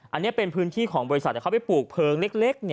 อันนี้เป็นพื้นที่ของบริษัทแต่เขาไปปลูกเพลิงเล็ก